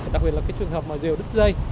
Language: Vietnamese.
đặc biệt là cái trường hợp mà diều đứt dây